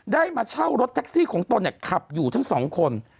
ได้มาเช่ารถแท็กซี่ของตนขับอยู่ทั้งสองคน